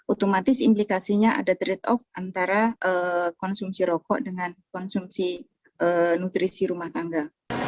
otomatis implikasinya ada trade off antara konsumsi rokok dengan konsumsi nutrisi rumah tangga